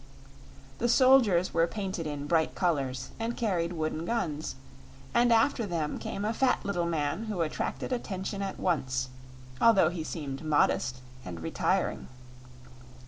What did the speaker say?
The soldiers were painted in bright colors and carried wooden guns, and after them came a fat little man who attracted attention at once, although he seemed modest and retiring.